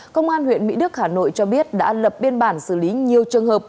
công an huyện mỹ đức hà nội cho biết đã lập biên bản xử lý nhiều trường hợp